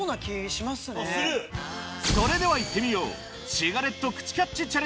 それでは行ってみよう！